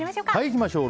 いきましょう。